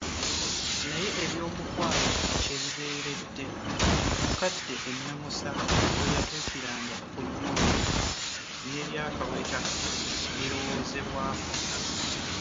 Naye eby'omukwano kye bibeeredde, mu kadde ennamusa we yatuukiranga ku nnyooge, n'eby'akaweta birowoozebwako.